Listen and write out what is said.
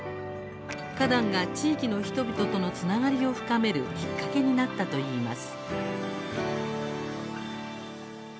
花壇が地域の人々とのつながりを深めるきっかけになったといいます。